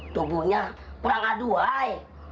tubuhnya kurang aduhai